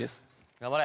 頑張れ。